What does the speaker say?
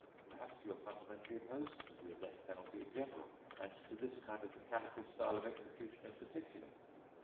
Perhaps you are fundamentally opposed to the death penalty in general and to this kind of mechanical style of execution in particular.